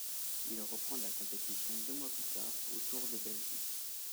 Il reprend la compétition deux mois plus tard, au Tour de Belgique.